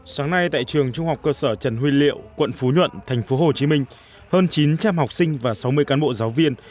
sáng nay tại trường trung học cơ sở trần huy liệu quận phú nhuận thành phố hồ chí minh hơn chín trăm linh học sinh và sáu mươi cán bộ giáo viên